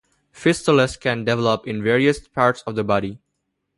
Fistulas can develop in various parts of the body.